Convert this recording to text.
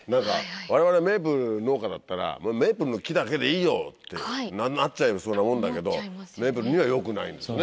我々メープル農家だったらメープルの木だけでいいよってなっちゃいそうなもんだけどメープルにはよくないんですね。